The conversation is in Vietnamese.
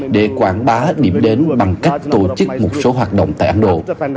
để quảng bá điểm đến bằng cách tổ chức một số hoạt động tại ấn độ